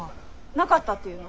なかったっていうの？